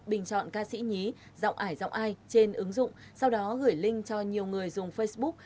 bình chọn ca sĩ nhí giọng ải giọng ai trên ứng dụng sau đó gửi link cho nhiều người dùng facebook